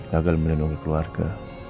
gagal melindungi keluarga